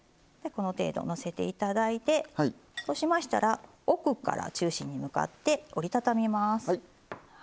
この程度のせていただいてそうしましたら奥から中心に向かって折り畳みます。